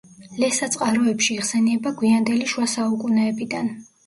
ლესა წყაროებში იხსენიება გვიანდელი შუა საუკუნეებიდან.